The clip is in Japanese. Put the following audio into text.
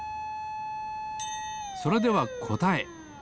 それではこたえ。